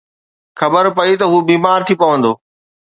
خبر پئي ته هو بيمار ٿي پوندو